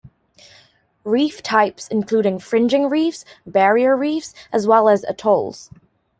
Reef types include fringing reef, barrier reefs, as well as atolls.